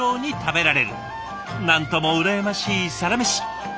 なんとも羨ましいサラメシ！